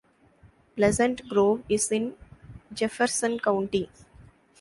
Pleasant Grove is in Jefferson County.